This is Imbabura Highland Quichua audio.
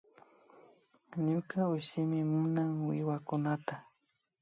Ñuka ushushi munan wiwakunata